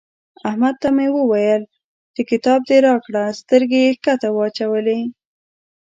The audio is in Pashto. احمد ته مې وويل چې کتاب دې راکړه؛ سترګې يې کښته واچولې.